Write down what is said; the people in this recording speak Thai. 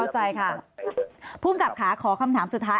เข้าใจค่ะผู้กับขาขอคำถามสุดท้าย